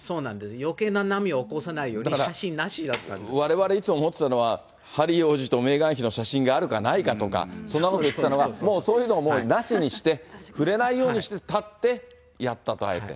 よけいな波を起こさないように、われわれ、いつも思ってたのは、ハリー王子とメーガン妃の写真があるかないかとか、そんなこと言ってたのが、そういうのをなしにして、触れないようにして、立ってやったと、あえて。